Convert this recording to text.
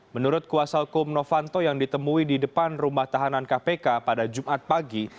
menurut kuasa hukum novanto yang ditemui di depan rumah tahanan kpk pada jumat pagi